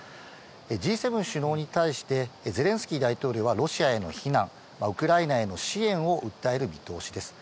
Ｇ７首脳に対して、ゼレンスキー大統領はロシアへの非難、ウクライナへの支援を訴える見通しです。